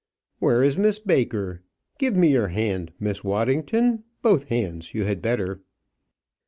Where is Miss Baker? Give me your hand, Miss Waddington; both hands, you had better."